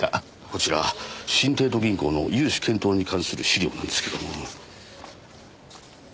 こちら新帝都銀行の融資検討に関する資料なんですけども。